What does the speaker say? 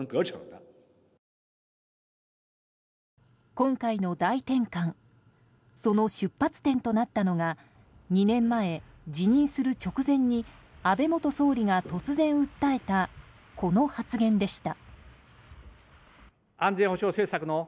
今回の大転換その出発点となったのが２年前、辞任する直前に安倍元総理が突然訴えたこの発言でした。